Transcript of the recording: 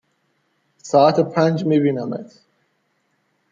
ساعت پنج می بینمت